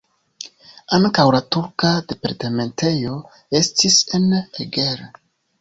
Ankaŭ la turka departementejo estis en Eger.